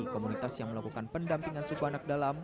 komunitas yang melakukan pendampingan suku anak dalam